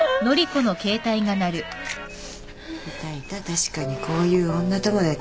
確かにこういう女友達。